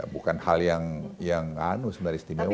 bukan hal yang anu sebenarnya istimewa